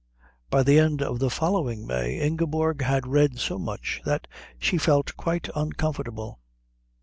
By the end of the following May Ingeborg had read so much that she felt quite uncomfortable.